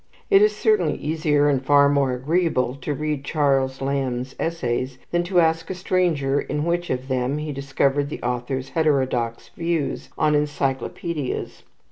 It is certainly easier, and far more agreeable, to read Charles Lamb's essays than to ask a stranger in which one of them he discovered the author's heterodox views on encyclopaedias.